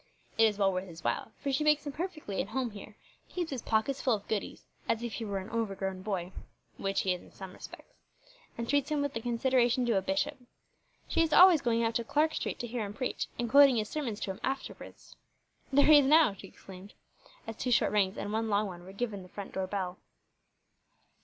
It is well worth his while, for she makes him perfectly at home here, keeps his pockets full of goodies, as if he were an overgrown boy (which he is in some respects), and treats him with the consideration due a bishop. She is always going out to Clarke Street to hear him preach, and quoting his sermons to him afterwards. There he is now!" she exclaimed, as two short rings and one long one were given the front door bell.